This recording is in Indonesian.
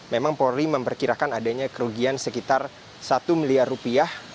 memang polri memperkirakan adanya kerugian sekitar satu miliar rupiah